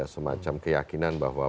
semacam keyakinan bahwa